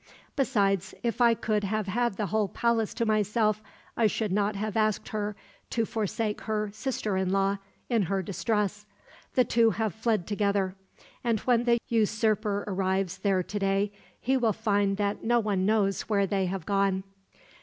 Besides, if I could have had the whole palace to myself, I should not have asked her to forsake her sister in law, in her distress. The two have fled together, and when the usurper arrives there today, he will find that no one knows where they have gone.